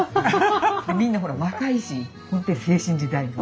みんなほら若いし本当に青春時代。